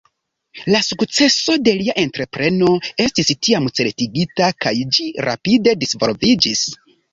La sukceso de lia entrepreno estis tiam certigita kaj ĝi rapide disvolviĝis.